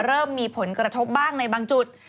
เริ่มมีผลกระทบบ้างในบางจุด